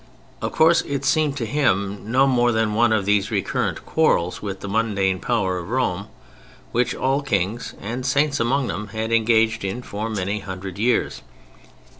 Of course, it seemed to him no more than one of these recurrent quarrels with the mundane power of Rome, which all Kings (and Saints among them) had engaged in for many hundred years.